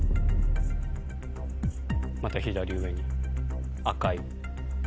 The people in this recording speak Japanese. また左上に赤い。